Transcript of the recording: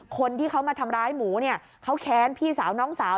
คนที่เขามาทำร้ายหมูเนี่ยเขาแค้นพี่สาวน้องสาว